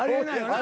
あ。